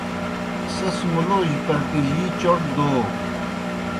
سیْس مُلوجیْ پرٹِجِی چوْٹ دَو۔